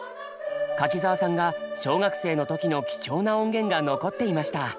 柿澤さんが小学生の時の貴重な音源が残っていました。